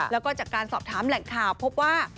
แล้วก็จากการสอบถามแหล่งข่าวพบว่า